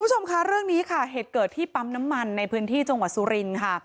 คุณผู้ชมค่ะเรื่องนี้ค่ะเหตุเกิดที่ปั๊มน้ำมันในพื้นที่จังหวัดสุรินค่ะ